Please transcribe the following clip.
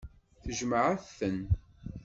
Jemɛent-ten.